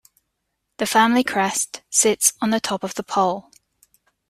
The family crest sits on top of the pole.